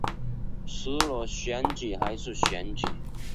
除了选举还是选举